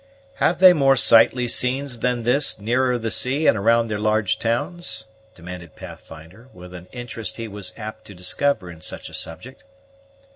"Have they more sightly scenes than this nearer the sea and around their large towns?" demanded Pathfinder, with an interest he was apt to discover in such a subject.